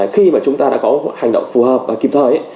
khi mà chúng ta đã có hành động phù hợp và kịp thời